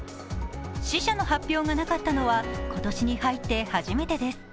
死者の発表がなかったのは、今年に入って初めてです。